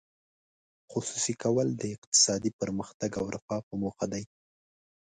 خصوصي کول د اقتصادي پرمختګ او رفاه په موخه دي.